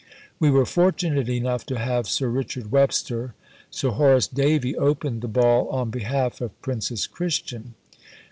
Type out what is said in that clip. We were fortunate enough to have Sir Richard Webster. Sir Horace Davey opened the Ball on behalf of Princess Christian.